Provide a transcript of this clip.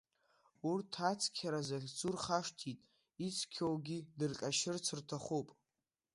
Урҭ ацқьара захьӡу рхашҭит, ицқьоугьы дырҟаԥшьыр рҭахуп.